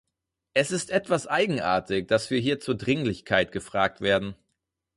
Es ist etwas eigenartig, dass wir hier zur Dringlichkeit gefragt werden.